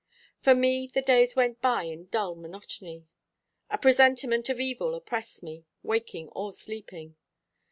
For me the days went by in dull monotony. A presentiment of evil oppressed me, waking or sleeping.